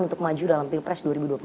untuk maju dalam pilpres dua ribu dua puluh